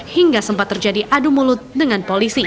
hingga sempat terjadi adu mulut dengan polisi